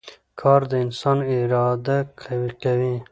کار د انسان اراده قوي کوي